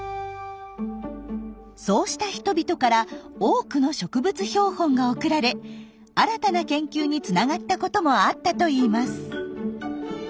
そうした人々から多くの植物標本が送られ新たな研究につながったこともあったといいます。